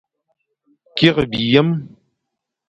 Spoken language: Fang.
Kikh biyem.